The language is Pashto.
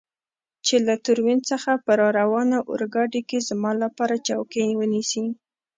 چې له تورین څخه په راروانه اورګاډي کې زما لپاره چوکۍ ونیسي.